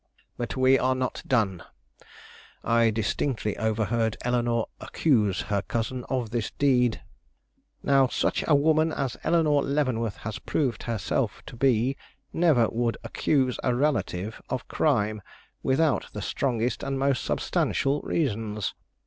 "But we are not done. I distinctly overheard Eleanore accuse her cousin of this deed. Now such a woman as Eleanore Leavenworth has proved herself to be never would accuse a relative of crime without the strongest and most substantial reasons.